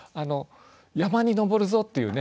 山に登るぞっていうね